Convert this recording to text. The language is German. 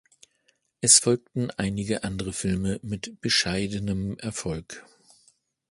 Es folgten einige andere Filme mit bescheidenem Erfolg.